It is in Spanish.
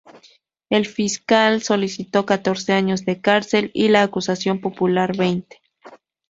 El fiscal solicitó catorce años de cárcel y la acusación popular veinte.